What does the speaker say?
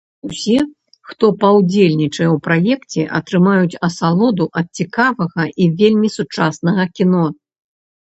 Усе, хто паўдзельнічае ў праекце, атрымаюць асалоду ад цікавага і вельмі сучаснага кіно.